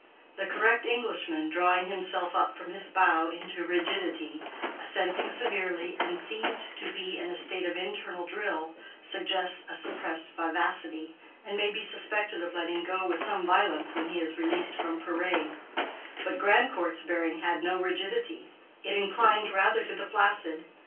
The correct Englishman, drawing himself up from his bow into rigidity, assenting severely, and seemed to be in a state of internal drill, suggests a suppressed vivacity, and may be suspected of letting go with some violence when he is released from parade; but Grandcourt's bearing had no rigidity, it inclined rather to the flaccid.